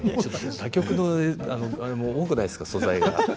他局のが多くないですか素材が。